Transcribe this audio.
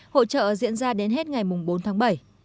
hội trợ diễn ra đến hết ngày bốn tháng bảy